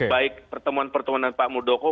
baik pertemuan pertemuanan pak mudoko